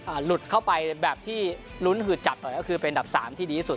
หลุดเข้าไปแบบที่ลุ้นหืดจับหน่อยก็คือเป็นอันดับสามที่ดีที่สุด